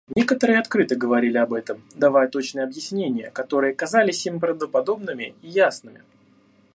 Некоторые открыто говорили об этом, давая точные объяснения, которые казались им правдоподобными и ясными.